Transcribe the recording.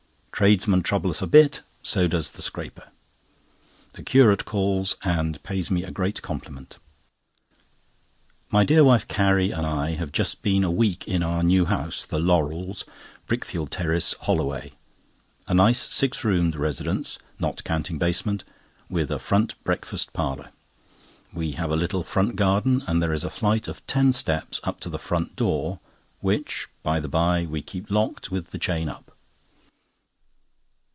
Tradesmen trouble us a bit, so does the scraper. The Curate calls and pays me a great compliment. My dear wife Carrie and I have just been a week in our new house, "The Laurels," Brickfield Terrace, Holloway—a nice six roomed residence, not counting basement, with a front breakfast parlour. We have a little front garden; and there is a flight of ten steps up to the front door, which, by the by, we keep locked with the chain up.